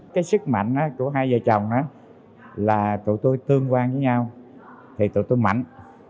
cái sức mạnh của hai vợ chồng là tụi tôi tương quan với nhau thì tụi tôi mạnh